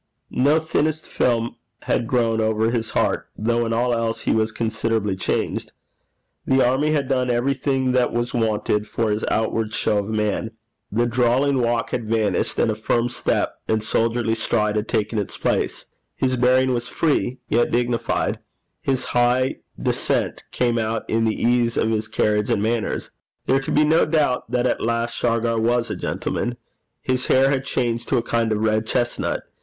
No thinnest film had grown over his heart, though in all else he was considerably changed. The army had done everything that was wanted for his outward show of man. The drawling walk had vanished, and a firm step and soldierly stride had taken its place; his bearing was free, yet dignified; his high descent came out in the ease of his carriage and manners: there could be no doubt that at last Shargar was a gentleman. His hair had changed to a kind of red chestnut.